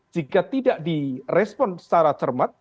jika tidak di respon secara cermat